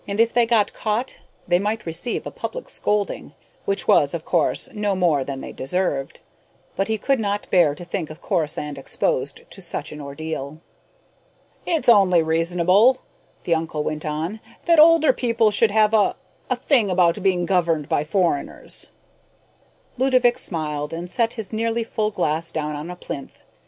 If they got caught, they might receive a public scolding which was, of course, no more than they deserved but he could not bear to think of Corisande exposed to such an ordeal. "It's only reasonable," the uncle went on, "that older people should have a a thing about being governed by foreigners." Ludovick smiled and set his nearly full glass down on a plinth.